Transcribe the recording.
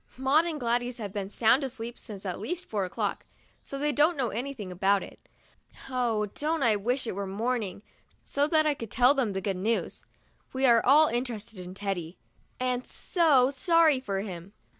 Maud and Gladys have been sound asleep since at least four o'clock, so they don't know anything about it. Oh, don't I wish it were morning, so that I could tell them the good news ! We are all interested in Teddy, and so sorry for him.